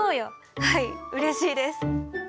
はいうれしいです。